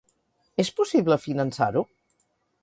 És possible finançar-ho?